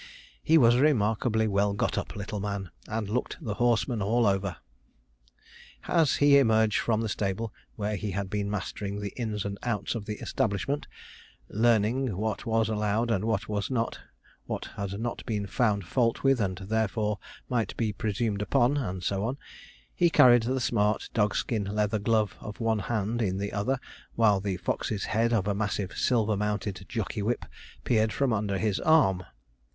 He was a remarkably well got up little man, and looked the horseman all over. As he emerged from the stable, where he had been mastering the ins and outs of the establishment, learning what was allowed and what was not, what had not been found fault with and, therefore, might be presumed upon, and so on, he carried the smart dogskin leather glove of one hand in the other, while the fox's head of a massive silver mounted jockey whip peered from under his arm.